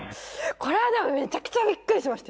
これはでもめちゃくちゃびっくりしました、